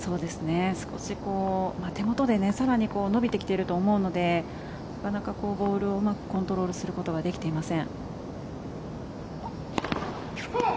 少し手元で更に伸びてきていると思うのでなかなかボールをうまくコントロールすることができていません。